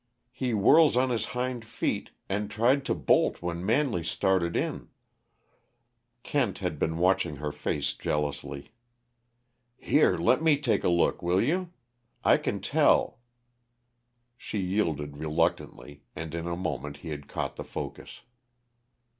He whirls on his hind feet, and tried to bolt when Manley started in " Kent had been watching her face jealously. "Here, let me take a look, will you? I can tell " She yielded reluctantly, and in a moment he had caught the focus.